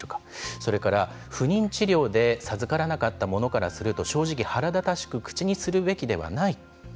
それから、不妊治療で授からなかった者からすると正直、腹立たしく口にするべきではない。